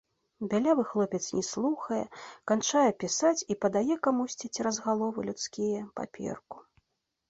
Бялявы хлопец не слухае, канчае пісаць і падае камусьці цераз галовы людскія паперку.